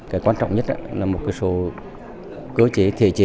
cái quan trọng nhất là một số cơ chế thể chế